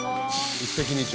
一石二鳥。